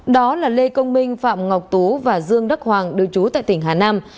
đó là lê công minh phạm ngọc tú và dương đắc hoàng đưa chú tại tỉnh hà nam